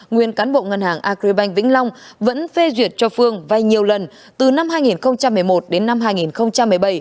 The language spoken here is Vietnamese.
nguyên cán bộ ngân hàng agribank vĩnh long vẫn phê duyệt cho phương vay nhiều lần từ năm hai nghìn một mươi một đến năm hai nghìn một mươi bảy